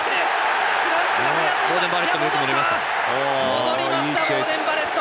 戻りましたボーデン・バレット。